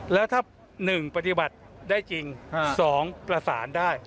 แล้วถ้าหนึ่งปฏิบัติได้จริงสองประสานได้